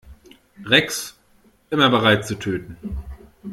Rex, immer bereit zu töten.